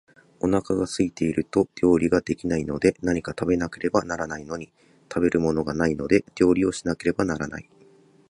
お腹が空いていると料理が出来ないので、何か食べなければならないのに、食べるものがないので料理をしなければならない